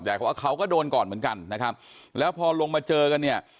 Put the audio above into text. แต่ว่าเขาก็โดนก่อนเหมือนกันแล้วพอลงมาเจอกัน